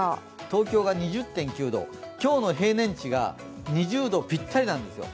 東京が２０．９度、今日の平年値が２０度ぴったりなんですよ。